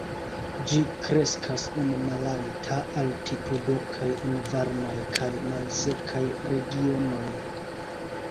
Ĝi kreskas en malalta altitudo kaj en varmaj kaj malsekaj regionoj.